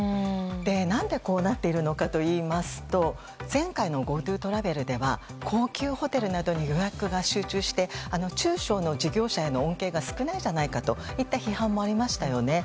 何でこうなっているのかといいますと前回のＧｏＴｏトラベルでは高級ホテルなどに予約が集中して中小の事業者への恩恵が少ないじゃないかといった批判もありましたよね。